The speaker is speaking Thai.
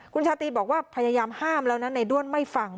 คุณชาตรีบอกว่าพยายามห้ามแล้วนะในด้วนไม่ฟัง